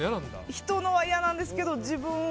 人のは嫌なんですけど自分のは。